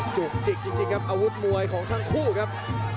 จุกจิกจริงครับอาวุธมวยของทั้งคู่ครับ